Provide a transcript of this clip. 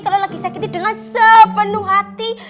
kalau lagi sakitnya dengan sepenuh hati